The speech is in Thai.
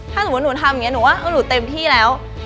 ถ้าสมมุติหนูทำอย่างนี้หนูว่าหนูเต็มที่แล้ว